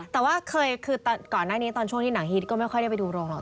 แต่ว่าเคยคือก่อนหน้านี้ตอนช่วงที่หนังฮิตก็ไม่ค่อยได้ไปดูโรงหรอก